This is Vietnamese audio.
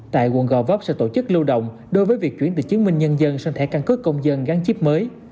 tại quận gò vấp sẽ tổ chức lưu động đối với việc chuyển từ chứng minh nhân dân sang thẻ căn cước công dân gắn chip mới